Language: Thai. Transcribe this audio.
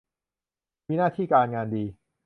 มีหน้าที่การงานดี